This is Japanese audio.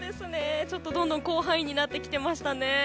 どんどん広範囲になっていますね。